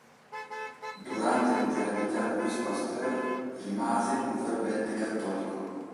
Durante l'intera vita Louis Pasteur rimase un fervente cattolico.